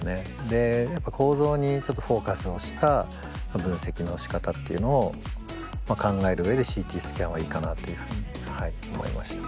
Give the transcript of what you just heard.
で構造にちょっとフォーカスをした分析のしかたっていうのを考える上でＣＴスキャンはいいかなというふうにはい思いました。